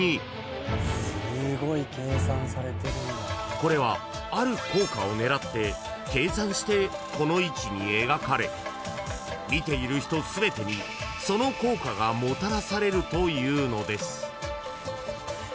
［これはある効果を狙って計算してこの位置に描かれ見ている人全てにその効果がもたらされるというのです］